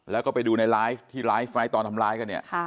แล้วก็ไปดูในไลฟ์ที่ไลฟ์ไฟล์ตอนทำไลฟ์ก็เนี่ย